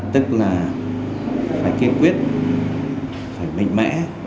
tức là phải kiên quyết phải mệnh mẽ